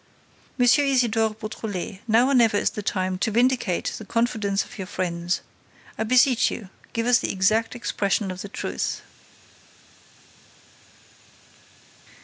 M. Isidore Beautrelet, now or never is the time to vindicate the confidence of your friends. I beseech you, give us the exact expression of the truth."